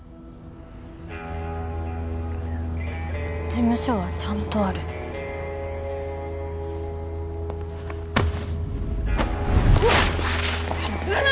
事務所はちゃんとあるうわっ！